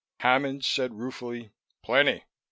Hammond said ruefully, "Plenty.